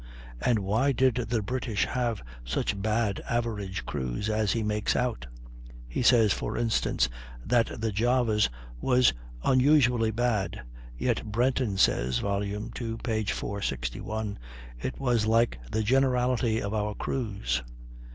And why did the British have such bad average crews as he makes out? He says, for instance, that the Java's was unusually bad; yet Brenton says (vol. ii, p. 461) it was like "the generality of our crews."